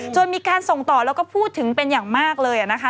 มีการส่งต่อแล้วก็พูดถึงเป็นอย่างมากเลยนะคะ